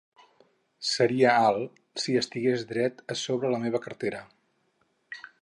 Seria alt si estigués dret a sobre la meva cartera.